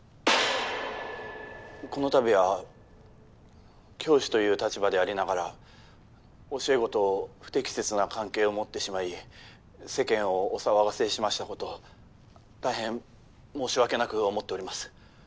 この度は教師という立場でありながら教え子と不適切な関係を持ってしまい世間をお騒がせしましたこと大変申し訳なく思っております。